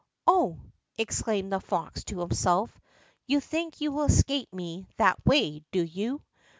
"Oho!" exclaimed the fox to himself, "you think you will escape me that way, do you?